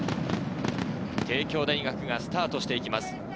帝京大学がスタートしていきます。